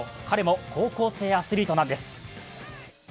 彼も高校生アスリートなんです。